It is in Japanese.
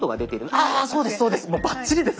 ああそうですそうです！